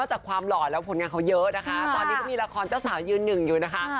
จากความหล่อแล้วผลงานเขาเยอะนะคะตอนนี้ก็มีละครเจ้าสาวยืนหนึ่งอยู่นะคะ